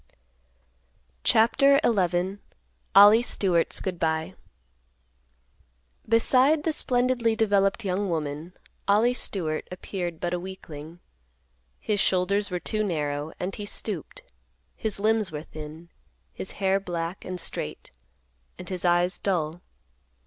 CHAPTER XI. OLLIE STEWART'S GOOD BY. Beside the splendidly developed young woman, Ollie Stewart appeared but a weakling. His shoulders were too narrow and he stooped; his limbs were thin; his hair black and straight; and his eyes dull.